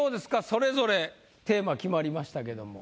それぞれテーマ決まりましたけども。